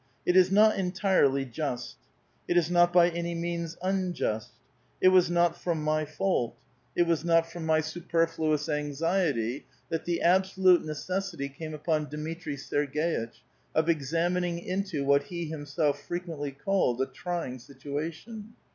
It is not entirely just ; it is not by any means unjust ; it was not from my fault ; it 882 A VITAL QUESTION. was not from 1113' superfluous anxiety that the absolute necessity came upon Dmitri Serg^itch of examining into what he liimself frequently called a trying situation.